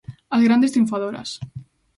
As grandes triunfadoras.